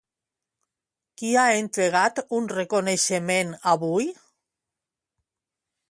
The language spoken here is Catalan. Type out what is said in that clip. Qui ha entregat un reconeixement avui?